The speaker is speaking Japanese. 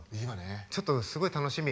ちょっとすごい楽しみ。